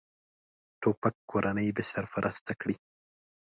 توپک کورنۍ بېسرپرسته کړي.